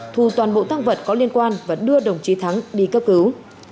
thu toàn bộ tăng vật có liên quan và đưa đồng chí thắng đi cấp cứu